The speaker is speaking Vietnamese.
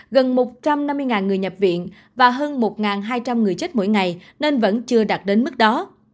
gần một trăm năm mươi người nhập viện và hơn một hai trăm linh người chết mỗi ngày nên vẫn chưa đạt đến mức đó